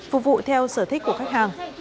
phục vụ theo sở thích của khách hàng